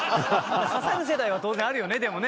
「刺さる世代は当然あるよねでもね」